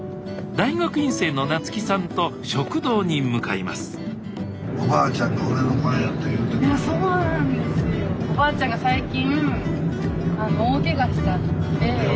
大学院生の夏希さんと食堂に向かいますそうなんですよ。